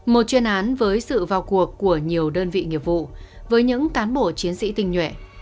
một chuyên án với sự vào cuộc của nhiều đơn vị nghiệp vụ với những cán bộ chiến sĩ tình nhuệ